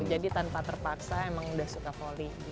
jadi tanpa terpaksa emang udah suka volley